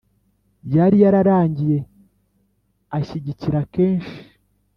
yari yarangiye ashyigikira kenshi